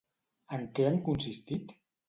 En què han consistit?